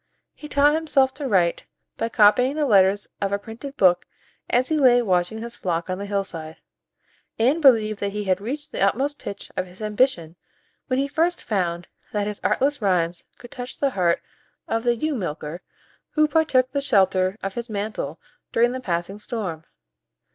He taught himself to write, by copying the letters of a printed book as he lay watching his flock on the hillside, and believed that he had reached the utmost pitch of his ambition when he first found that his artless rhymes could touch the heart of the ewe milker who partook the shelter of his mantle during the passing storm.